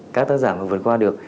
các tác giả vượt qua được